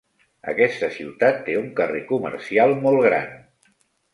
Aquesta ciutat té un carrer comercial molt gran.